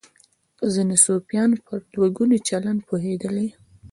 ځینې صوفیان پر دوه ګوني چلند پوهېدلي.